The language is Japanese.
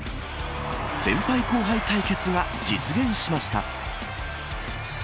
先輩後輩対決が実現しました。